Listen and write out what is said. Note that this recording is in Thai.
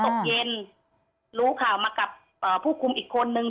ตกเย็นรู้ข่าวมากับผู้คุมอีกคนนึง